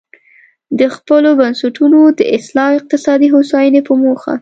د خپلو بنسټونو د اصلاح او اقتصادي هوساینې په موخه.